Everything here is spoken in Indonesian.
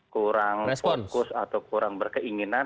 kurang fokus atau kurang berkeinginan